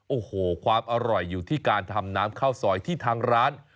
โอ้โหความอร่อยอยู่ที่การทำน้ำข้าวซอยที่ทางร้าน